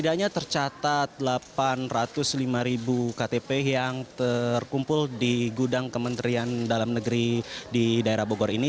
ktp ktp yang terkumpul di gudang kementerian dalam negeri di daerah bogor ini